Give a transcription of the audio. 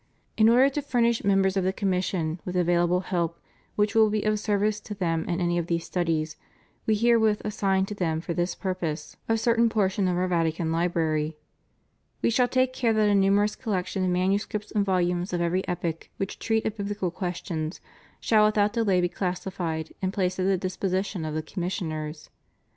In order to furnish members of the commission with available help, which will be of service to them in any of these studies. We herewith assign to them for this purpose THE BIBLICAL COMMISSION. 543 a certain portion of Our Vatican Library. We shall take care that a numerous collection of manuscripts and vol umes of every epoch which treat of biblical questions shall without delay be classified and placed at the disposi tion of the commissioners.